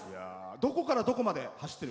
どこからどこまでを走ってる？